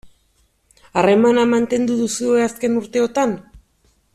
Harremana mantendu duzue azken urteotan?